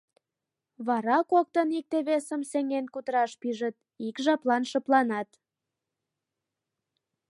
Вара коктын икте-весым сеҥен кутыраш пижыт, ик жаплан шыпланат.